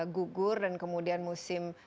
gugur dan kemudian musim